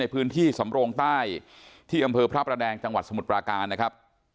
พื้นที่สำโรงใต้ที่อำเภอพระประแดงจังหวัดสมุทรปราการนะครับ